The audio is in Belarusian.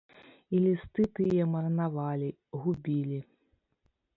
І лісты тыя марнавалі, губілі.